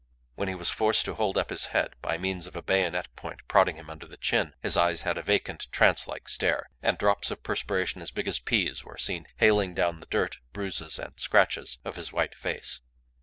When he was forced to hold up his head, by means of a bayonet point prodding him under the chin, his eyes had a vacant, trance like stare, and drops of perspiration as big as peas were seen hailing down the dirt, bruises, and scratches of his white face.